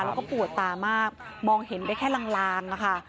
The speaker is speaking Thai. แล้วก็ปวดตามากมองเห็นได้แค่ลางนะคะ